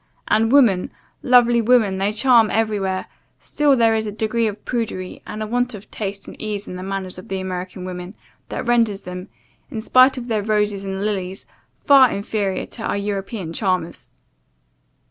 And woman, lovely woman! they charm everywhere still there is a degree of prudery, and a want of taste and ease in the manners of the American women, that renders them, in spite of their roses and lilies, far inferior to our European charmers.